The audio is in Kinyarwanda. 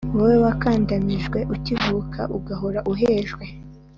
wowe wakandamijwe ukivuka ugahora uhejwe